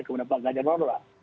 kemudian pak ganjar nomor dua